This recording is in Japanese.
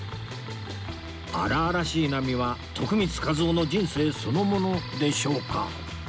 荒々しい波は徳光和夫の人生そのものでしょうか？